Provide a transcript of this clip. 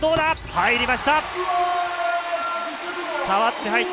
入りました！